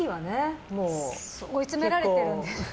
追い詰められてるので。